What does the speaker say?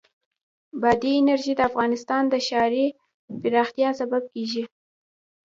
بادي انرژي د افغانستان د ښاري پراختیا سبب کېږي.